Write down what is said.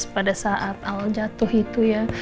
pada saat al jatuh itu ya